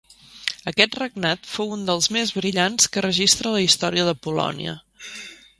Aquest regnat fou un dels més brillants que registra la història de Polònia.